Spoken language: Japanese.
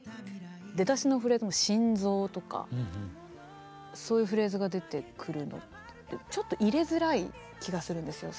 出だしのフレーズの「心臓」とかそういうフレーズが出てくるのってちょっと入れづらい気がするんですよ。